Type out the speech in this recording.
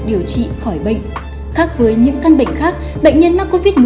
đã có hàng trăm nghìn bệnh nhân mắc covid một mươi chín